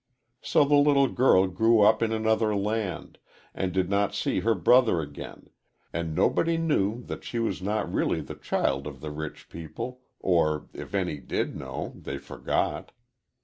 So the little girl grew up in another land, and did not see her brother again, and nobody knew that she was not really the child of the rich people, or, if any did know, they forgot.